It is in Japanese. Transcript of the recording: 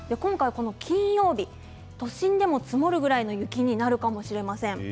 今回、金曜日都心でも積もるぐらいの雪になるかもしれません。